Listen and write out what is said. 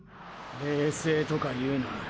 冷静とか言うな。